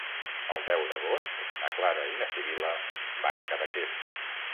El deu d'agost na Clara i na Sibil·la van a Cadaqués.